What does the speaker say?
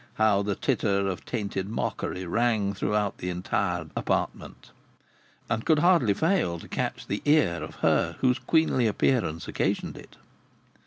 How the titter of tainted mockery rang throughout the entire apartment, and could hardly fail to catch the ear of her whose queenly appearance occasioned it!